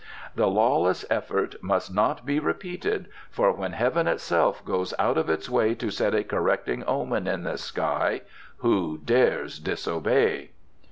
The lawless effort must not be repeated, for when heaven itself goes out of its way to set a correcting omen in the sky, who dare disobey?"